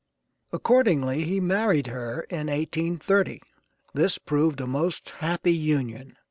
Accordingly he married her in 1830. This proved a most happy union.